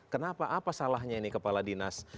kenapa apa salahnya ini kepala dinas